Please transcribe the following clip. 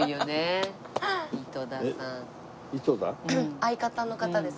相方の方です。